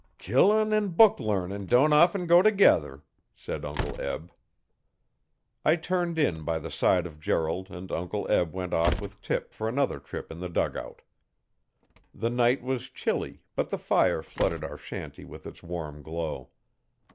'Killin' an' book learnin' don't often go together,' said Uncle Eb. I turned in by the side of Gerald and Uncle Eb went off with Tip for another trip in the dugout. The night was chilly but the fire flooded our shanty with its warm glow.